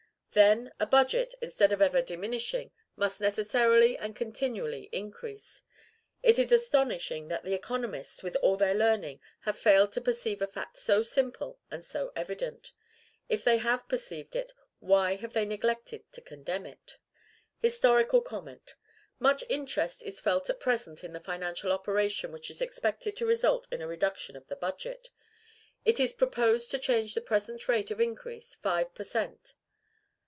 Then, a budget, instead of ever diminishing, must necessarily and continually increase. It is astonishing that the economists, with all their learning, have failed to perceive a fact so simple and so evident. If they have perceived it, why have they neglected to condemn it? HISTORICAL COMMENT. Much interest is felt at present in a financial operation which is expected to result in a reduction of the budget. It is proposed to change the present rate of increase, five per cent.